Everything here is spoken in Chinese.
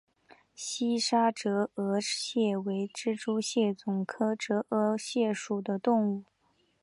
西沙折额蟹为蜘蛛蟹总科折额蟹属的动物。